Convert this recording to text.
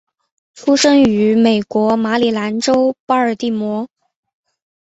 出生于美国马里兰州巴尔的摩。